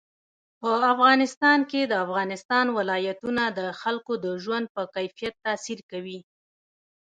په افغانستان کې د افغانستان ولايتونه د خلکو د ژوند په کیفیت تاثیر کوي.